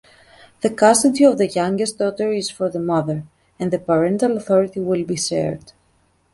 The custody of the youngest daughter is for the mother, and the parental authority will be shared.